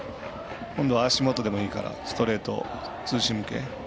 今度は足元でもいいからストレート、ツーシーム系。